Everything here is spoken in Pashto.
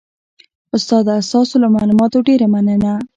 استاده ستاسو له معلوماتو ډیره مننه